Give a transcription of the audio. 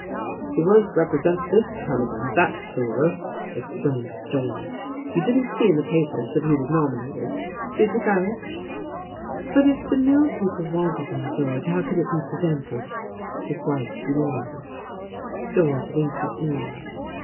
"He won't represent this town again, that's sure," exclaimed George. "You didn't see in the papers that he was nominated, did you, Paret?" "But if the mill people wanted him, George, how could it be prevented?" his wife demanded. George winked at me.